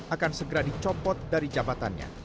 akan segera dicopot dari jabatannya